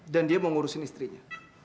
dan dia mau ngurusin istrinya